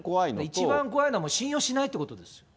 一番怖いのはもう信用しないということです。